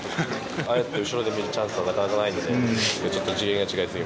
ああやって後ろで見るチャンスとかなかなかないんで。